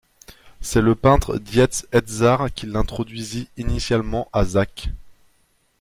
C’est le peintre Dietz Edzard qui l’introduisit initialement à Zak.